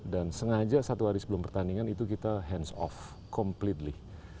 dan sengaja satu hari sebelum pertandingan itu kita hands off completely